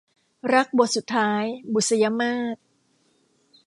รักบทสุดท้าย - บุษยมาส